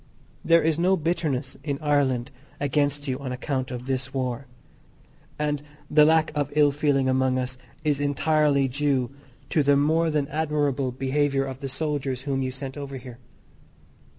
There is no bitterness in Ireland against you on account of this war, and the lack of ill feeling amongst us is entirely due to the more than admirable behaviour of the soldiers whom you sent over here.